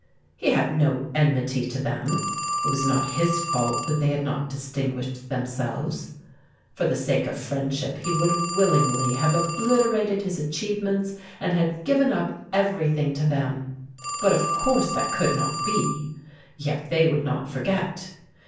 He had no enmity to them. It was not his fault that they had not distinguished themselves. For the sake of friendship he would willingly have obliterated his achievements and have given up everything to them; but of course that could not be, yet they would not forget.